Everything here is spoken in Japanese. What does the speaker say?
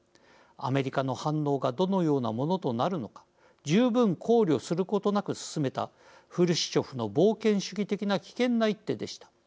アメリカの反応がどのようなものとなるのか十分考慮することなく進めたフルシチョフの冒険主義的な危険な一手でした。